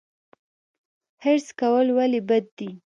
حرص کول ولې بد دي؟